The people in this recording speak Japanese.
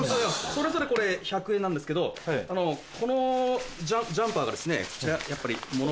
それぞれこれ１００円なんですけどこのジャンパーがですねやっぱりモノが違う。